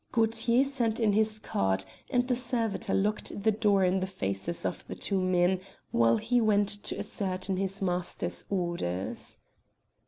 Gaultier sent in his card, and the servitor locked the door in the faces of the two men while he went to ascertain his master's orders.